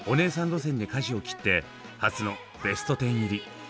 路線に舵を切って初のベスト１０入り。